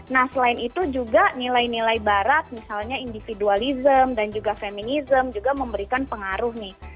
nah selain itu juga nilai nilai barat misalnya individualism dan juga feminism juga memberikan pengaruh nih